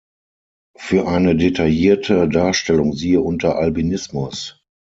Für eine detaillierte Darstellung siehe unter Albinismus.